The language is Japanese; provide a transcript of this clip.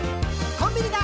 「コンビニだ！